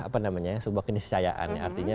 apa namanya sebuah keniscayaan artinya